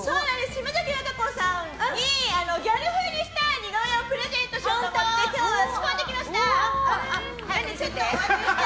島崎和歌子さんにギャル風にした似顔絵をプレゼントしようと思って仕込んできました！